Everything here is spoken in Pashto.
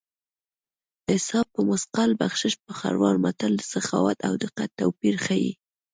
حساب په مثقال بخشش په خروار متل د سخاوت او دقت توپیر ښيي